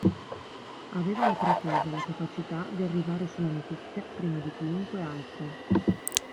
Aveva la pretesa, la capacità, di arrivare sulla notizia prima di chiunque altro.